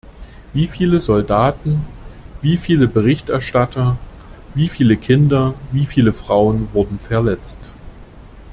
Wie viele Soldaten, wie viele Berichterstatter, wie viele Kinder, wie viele Frauen wurden verletzt?